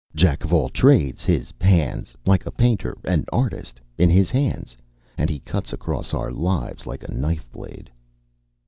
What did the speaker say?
Jack of all trades. His hands! Like a painter, an artist. In his hands and he cuts across our lives like a knife blade."